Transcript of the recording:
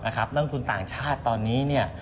นะครับนั่งทุนต่างชาติตอนนี้